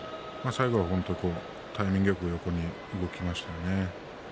最後はタイミングよく横に動きました。